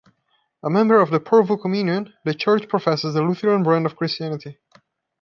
A member of the Porvoo Communion, the Church professes the Lutheran branch of Christianity.